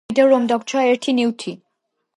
მაშინ გამოვიდა, რომ დაგვრჩა ერთი ნივთი.